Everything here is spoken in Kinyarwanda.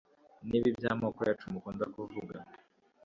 n'ibi by'amoko yacu mukunda kuvuga